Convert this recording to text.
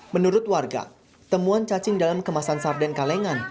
menurut warga temuan cacing dalam kemasan sarden kalengan